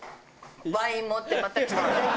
ワイン持ってまた来てくれた。